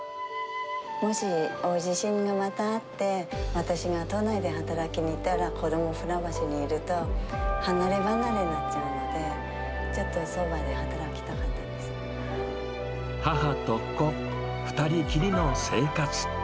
もし大地震がまたあって、私が都内で働きに行ったら子ども、船橋にいると、離れ離れになっちゃうので、母と子、２人きりの生活。